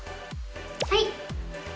はい。